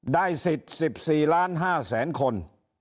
ได้สิทธิ์๑๔๕๐๐๐๐๐คน